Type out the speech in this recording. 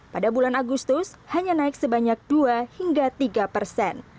pada bulan agustus hanya naik sebanyak dua hingga tiga persen